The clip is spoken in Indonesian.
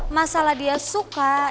masalah dia suka